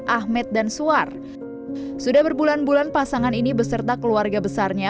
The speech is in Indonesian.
ahmed dan suar sudah berbulan bulan pasangan ini beserta keluarga besarnya